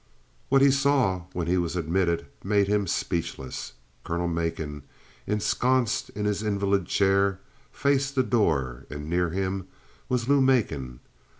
What he saw when he was admitted made him speechless. Colonel Macon, ensconced in his invalid chair, faced the door, and near him was Lou Macon.